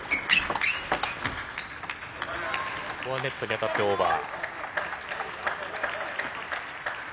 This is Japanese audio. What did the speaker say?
ここはネットに当たってオーバー。